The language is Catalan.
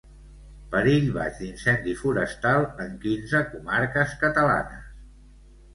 Perill baix d'incendi forestal en quinze comarques catalanes.